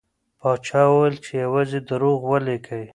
پاچا وویل چي یوازې دروغ ولیکئ.